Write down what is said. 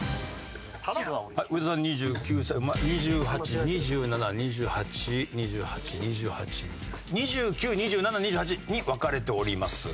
上田さん２９歳２８２７２８２８２８２９２７２８に分かれております。